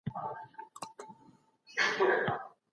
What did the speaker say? مسووليت منل ميړانه غواړي.